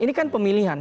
ini kan pemilihan